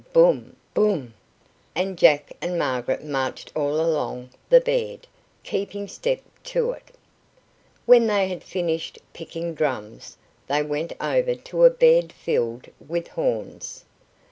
Boom! Boom_! and Jack and Margaret marched all along the bed, keeping step to it. When they had finished picking drums, they went over to a bed filled with horns.